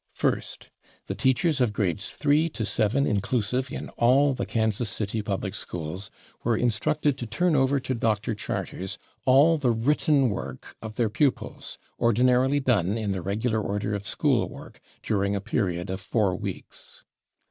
First, the teachers of grades III to VII inclusive in all the Kansas City public schools were instructed to turn over to Dr. Charters all the written work of their pupils, "ordinarily done in the regular order of school work" during a period of four weeks.